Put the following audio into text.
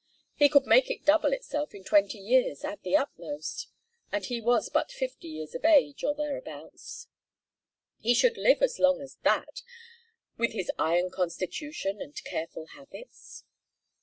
He could make it double itself in twenty years at the utmost, and he was but fifty years of age, or thereabouts. He should live as long as that, with his iron constitution and careful habits.